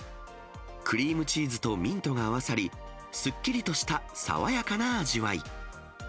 クリームチーズとミントが合わさり、すっきりとした爽やかな味わい。